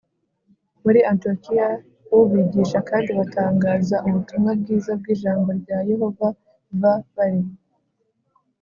muri Antiyokiya u bigisha kandi batangaza ubutumwa bwiza bw ijambo rya Yehova v bari